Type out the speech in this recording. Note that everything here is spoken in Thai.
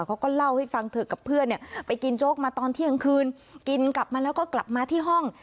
เขาก็เล่าให้ฟังเธอกับเพื่อนเนี่ยไปกินโจ๊กมาตอนเที่ยงคืนกินกลับมาแล้วก็กลับมาที่ห้อง